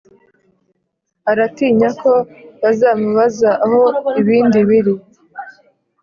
Aratinyako bazamubaza aho ibindi biri